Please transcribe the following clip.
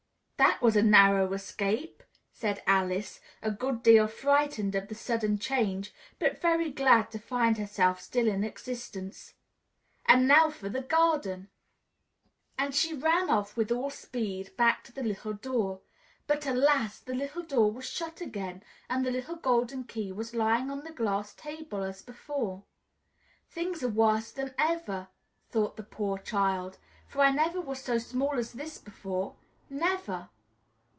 "That was a narrow escape!" said Alice, a good deal frightened at the sudden change, but very glad to find herself still in existence. "And now for the garden!" And she ran with all speed back to the little door; but, alas! the little door was shut again and the little golden key was lying on the glass table as before. "Things are worse than ever," thought the poor child, "for I never was so small as this before, never!"